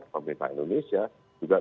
pemerintah indonesia juga